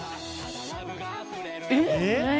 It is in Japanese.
えっ？